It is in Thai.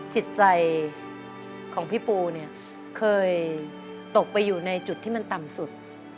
จิตใจของพี่ปูเนี่ยเคยตกไปอยู่ในจุดที่มันต่ำสุด